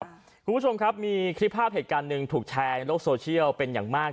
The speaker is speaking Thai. คุณผู้ชมครับมีคลิปภาพเหตุการณ์หนึ่งถูกแชร์ในโลกโซเชียลเป็นอย่างมาก